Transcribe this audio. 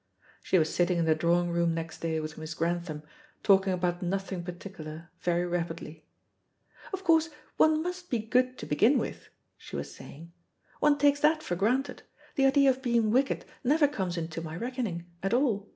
She was sitting in the drawing room next day with Miss Grantham, talking about nothing particular very rapidly. "Of course, one must be good to begin with," she was saying; "one takes that for granted. The idea of being wicked never comes into my reckoning at all.